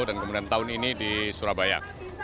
dan kemudian tahun ini di surabaya